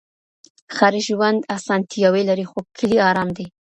ښاري ژوند اسانتیاوې لري خو کلی ارام دی.